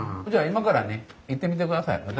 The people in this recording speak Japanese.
じゃあ今からね行ってみてください。